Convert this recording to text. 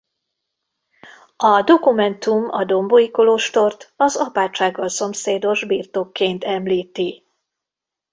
A dokumentum a dombói kolostort az apátsággal szomszédos birtokként említi.